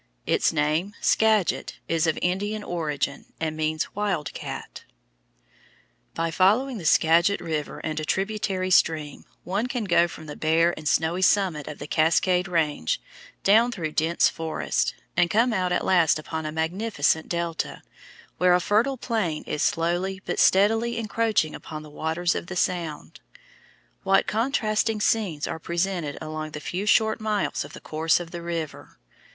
Its name, Skagit, is of Indian origin and means wild cat. By following the Skagit River and a tributary stream, one can go from the bare and snowy summit of the Cascade Range down through dense forests, and come out at last upon a magnificent delta, where a fertile plain is slowly but steadily encroaching upon the waters of the sound. What contrasting scenes are presented along the few short miles of the course of the river!